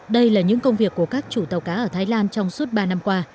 đây là những công việc của các chủ tàu cá ở thái lan trong suốt ba năm qua